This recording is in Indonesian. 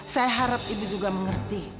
saya harap ibu juga mengerti